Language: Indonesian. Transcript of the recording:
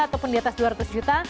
ataupun di atas dua ratus juta